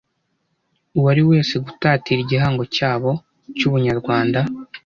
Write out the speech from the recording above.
uwari wese gutatira igihango cyabo cy Ubunyarwanda